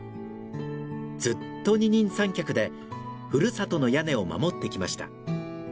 ずっと二人三脚でふるさとの屋根を守ってきました。